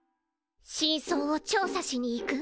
真相を調査しに行く？